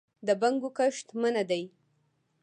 د بنګو کښت منع دی؟